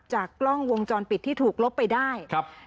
จากกล้องวงจรปิดที่ถูกลบไปได้ครับ